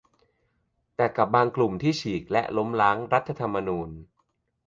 แต่กับบางกลุ่มที่ฉีกและล้มล้างรัฐธรรมนูญ